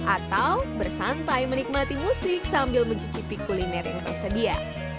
atau bersantai menikmati musik sambil mencicipi kuliner yang tersedia